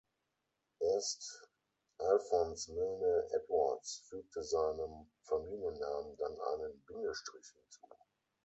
Erst Alphonse Milne-Edwards fügte seinem Familiennamen dann einen Bindestrich hinzu.